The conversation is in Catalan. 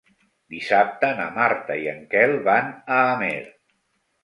Dissabte na Marta i en Quel van a Amer.